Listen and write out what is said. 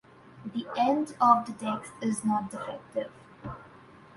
The end of the text is not defective.